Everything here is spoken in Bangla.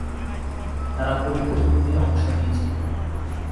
তারা পরিখা যুদ্ধে অংশ নিয়েছিল।